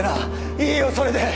いいよそれで！